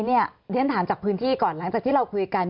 เรียนถามจากพื้นที่ก่อนหลังจากที่เราคุยกัน